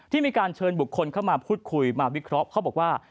มีการเชิญบุคคลเข้ามาพูดคุยมาวิเคราะห์เขาบอกว่า